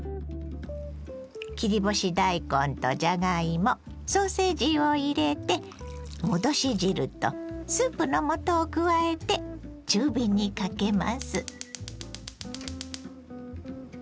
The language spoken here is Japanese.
切り干し大根とじゃがいもソーセージを入れて戻し汁とスープの素を加えて中火にかけます。